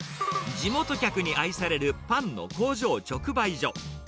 地元客に愛されるパンの工場直売所。